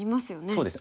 そうです。